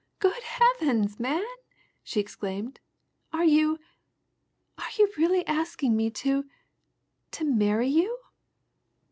"Good heavens, man?" she exclaimed. "Are you are you really asking me to to marry you?"